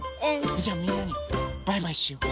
じゃあみんなにバイバイしよう。